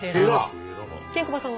ケンコバさんは？